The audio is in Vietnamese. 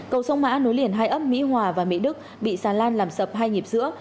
cầu sông mã nối liền hai ấp mỹ hòa và mỹ đức bị xà lan làm sập hai nhịp giữa